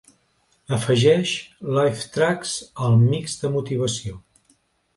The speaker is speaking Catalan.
Afegeix Lifetracks al mix de motivació